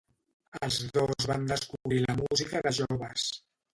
Els dos van descobrir la música de joves.